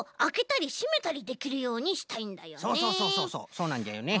そうなんじゃよね。